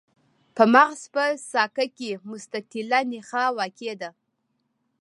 په مغز په ساقه کې مستطیله نخاع واقع ده.